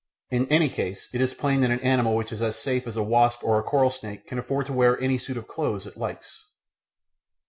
In any case it is plain that an animal which is as safe as a wasp or a coral snake can afford to wear any suit of clothes it likes.